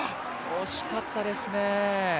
惜しかったですね。